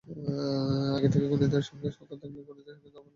আগে থেকে গণিতের সঙ্গে সখ্য থাকলেও গণিতের সঙ্গে তাঁর বসবাস তখন থেকেই।